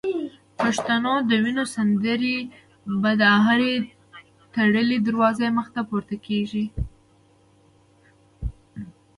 پښتون د وینو سندري به د هري تړلي دروازې مخته پورته کیږي